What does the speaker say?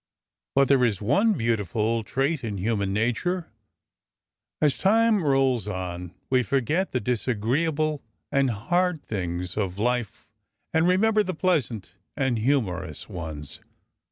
But there is one beautiful trait in human nature. As time rolls on, we forget the disagreeable and hard things of life and remember the pleasant and humorous ones.